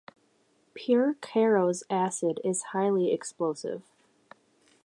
Pure Caro's acid is highly explosive.